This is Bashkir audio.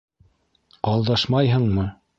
Алдашмайһыңмы?